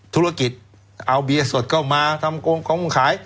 ธุรกิจเอาเบียร์สดเข้ามาทำกงขาย